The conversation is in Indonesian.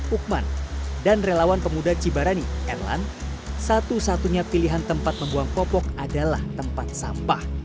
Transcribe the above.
ukman dan relawan pemuda cibarani erlan satu satunya pilihan tempat membuang popok adalah tempat sampah